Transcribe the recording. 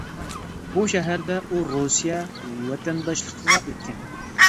بۇ شەھەردە ئۇ رۇسىيە ۋەتەنداشلىقىغا ئۆتكەن.